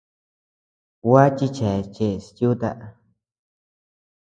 Gua chichas cheʼes yuta.